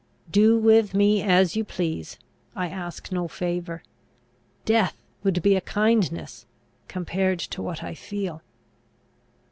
Do with me as you please! I ask no favour. Death would be a kindness, compared to what I feel!"